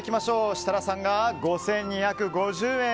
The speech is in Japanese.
設楽さんが５２５０円。